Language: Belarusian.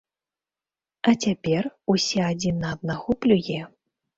А цяпер усе адзін на аднаго плюе.